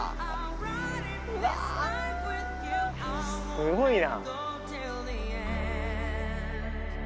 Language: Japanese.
すごいな。